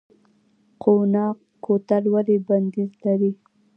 قوناق کوتل ولې بندیز لري؟